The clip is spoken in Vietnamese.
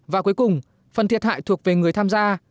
và cuối cùng phần thiệt hại thuộc về người tham gia